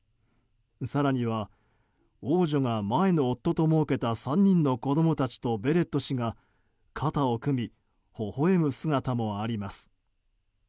更には、王女が前の夫ともうけた３人の子供たちとベレット氏が肩を組みほほ笑む姿もあります。